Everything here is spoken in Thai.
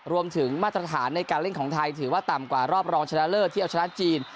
มาตรฐานในการเล่นของไทยถือว่าต่ำกว่ารอบรองชนะเลิศที่เอาชนะจีน